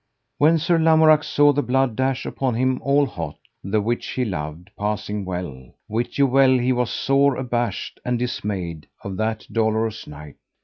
When Sir Lamorak saw the blood dash upon him all hot, the which he loved passing well, wit you well he was sore abashed and dismayed of that dolorous knight.